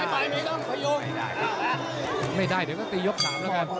เดี๋ยวก็ตียกสามนะครับ